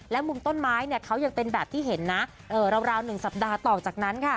และมุมต้นไม้เนี่ยเขายังเป็นแบบที่เห็นนะราว๑สัปดาห์ต่อจากนั้นค่ะ